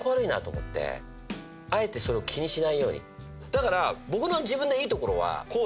だから。